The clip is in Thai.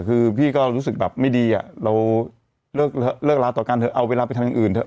คือพี่ก็รู้สึกแบบไม่ดีอ่ะเราเลิกเลิกละต่อกันเถอะเอาเวลาไปทางอื่นเถอะ